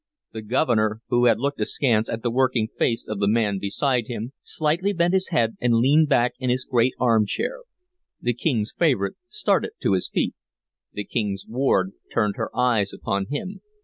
The Governor, who had looked askance at the working face of the man beside him, slightly bent his head and leaned back in his great armchair. The King's favorite started to his feet. The King's ward turned her eyes upon him.